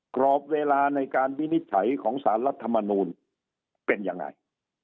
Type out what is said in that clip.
กรอบเวลาในการวินิจฉัยของสารรัฐมนูลเป็นยังไง